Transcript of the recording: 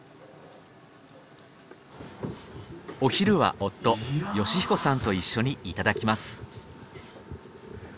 お昼は夫義彦さんと一緒にいただきます